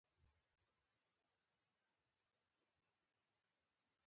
چې تاریخ او برخلیک مو شریک دی.